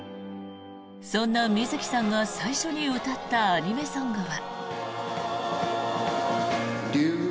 そんな水木さんが最初に歌ったアニメソングは。